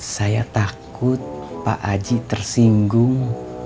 saya takut pak aji tersinggung